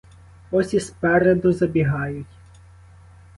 Ось і спереду забігають.